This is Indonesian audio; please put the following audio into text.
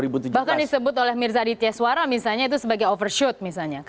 bahkan disebut oleh mirza aditya suara misalnya itu sebagai overshoot misalnya